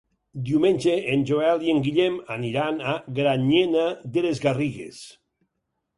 Diumenge en Joel i en Guillem aniran a Granyena de les Garrigues.